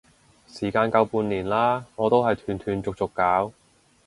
時間夠半年啦，我都係斷斷續續搞